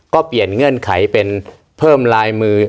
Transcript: ก็เปลี่ยนเงื่อนไขเป็นเพิ่มลายมือ